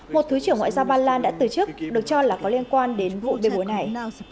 một thứ trưởng ngoại giao ba lan đã từ chức được cho là có liên quan đến vụ bê bối này